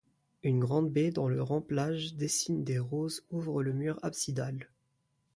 Une grande baie dont le remplage dessine des roses ouvre le mur absidal.